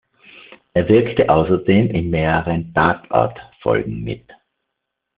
Er wirkte außerdem in mehreren "Tatort"-Folgen mit.